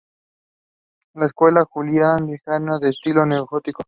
La Escuela Julián Villagrán; de estilo neogótico.